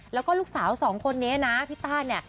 แล้วก็ลูกสาวสองคนนี้นะพี่ต้านเนี่ย